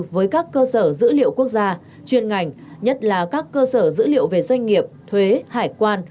với các cơ sở dữ liệu quốc gia chuyên ngành nhất là các cơ sở dữ liệu về doanh nghiệp thuế hải quan